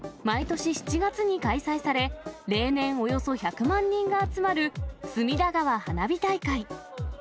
毎年７月に開催され、例年、およそ１００万人が集まる、隅田川花火大会。